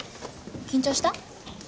緊張した？